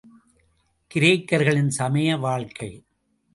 கிரேக்கர்களின் சமய வாழ்க்கை.